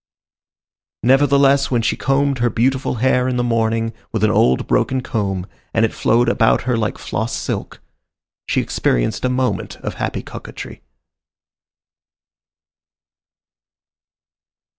Nevertheless, when she combed her beautiful hair in the morning with an old broken comb, and it flowed about her like floss silk, she experienced a moment of happy coquetry.